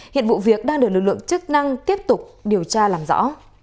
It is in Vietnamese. hiện vụ việc đang được lực lượng chức năng tiếp tục điều tra làm rõ